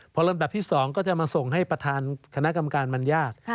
พอลำดับที่๒ก็จะมาส่งให้ประธานคณะกรรมการบรรยาท